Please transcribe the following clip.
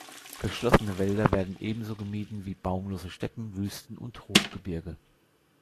Geschlossene Wälder werden ebenso gemieden wie baumlose Steppen, Wüsten und Hochgebirge.